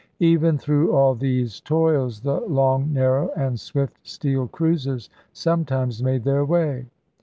Even through all these toils the long, narrow, and swift steel cruisers sometimes made their way.